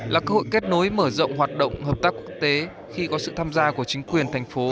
là cơ hội kết nối mở rộng hoạt động hợp tác quốc tế khi có sự tham gia của chính quyền thành phố